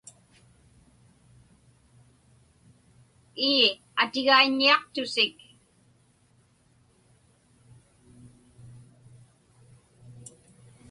Ii, atigaiññiaqtusik.